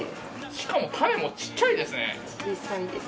しかも種もちっちゃいですね。